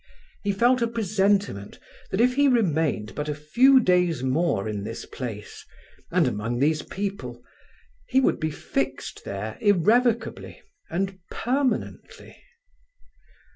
He felt a presentiment that if he remained but a few days more in this place, and among these people, he would be fixed there irrevocably and permanently.